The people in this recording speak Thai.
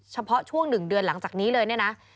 เฉพาะช่วง๑เดือนหลังจากนี้เลยเนี่ยนะ